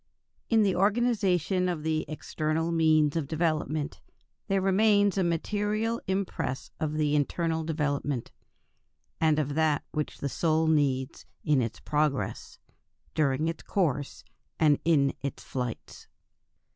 In the organization of the external means of development, there remains a material impress of the internal development, and of that which the soul needs in its progress, during its course, and in its flights.